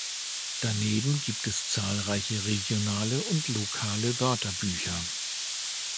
Daneben gibt es zahlreiche regionale und lokale Wörterbücher.